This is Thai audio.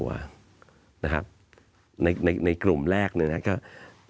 สวัสดีครับทุกคน